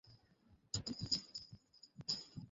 Department আমাকে গ্রেফতার করার জন্য অপেক্ষা করছে।